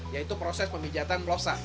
yaitu proses pemijatan pelosak